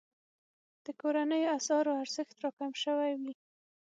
د کورنیو اسعارو ارزښت راکم شوی وي.